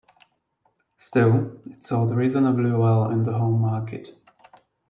Still, it sold reasonably well in the home market.